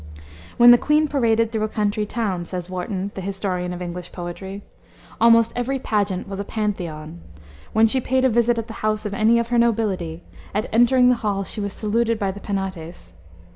"When the queen paraded through a country town," says Warton, the historian of English poetry, "almost every pageant was a pantheon. When she paid a visit at the house of any of her nobility, at entering the hall she was saluted by the Penates.